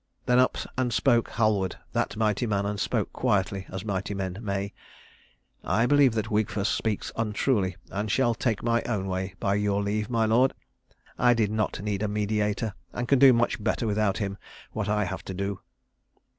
Then up and spoke Halward, that mighty man, and spoke quietly as mighty men may. "I believe that Wigfus speaks untruly, and shall take my own way, by your leave, my lord. I did not need a mediator, and can do much better without him what I have to do."